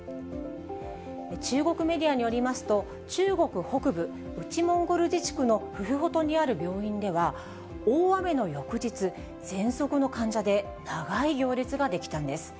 中国メディアによりますと、中国北部、内モンゴル自治区のフフホトにある病院では、大雨の翌日、ぜんそくの患者で長い行列が出来たんです。